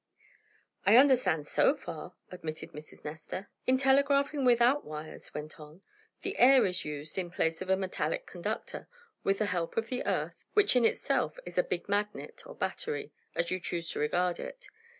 "I understand so far," admitted Mrs. Nestor. "In telegraphing without wires," went on Tom, "the air is used in place of a metallic conductor, with the help of the earth, which in itself is a big magnet, or a battery, as you choose to regard it.